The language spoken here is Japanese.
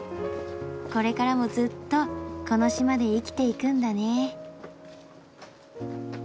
これからもずっとこの島で生きていくんだね。